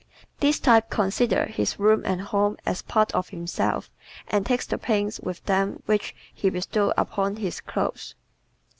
This type considers his room and home as a part of himself and takes the pains with them which he bestows upon his clothes.